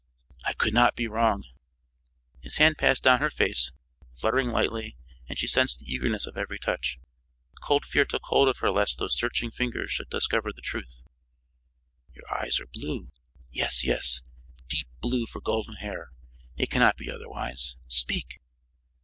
"I could not be wrong." His hand passed down her face, fluttering lightly, and she sensed the eagerness of every touch. Cold fear took hold of her lest those searching fingers should discover the truth. "Your eyes are blue. Yes, yes! Deep blue for golden hair. It cannot be otherwise. Speak."